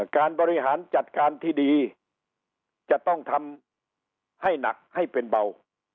การบริหารจัดการที่ดีจะต้องทำให้หนักให้เป็นเบา